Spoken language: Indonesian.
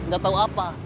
gak tahu apa